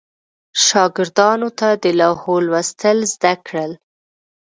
شاګردانو ته د لوحو لوستل زده کړل.